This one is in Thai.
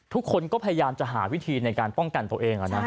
ทุกคนก็พยายามจะหาวิธีในการป้องกันตัวเอง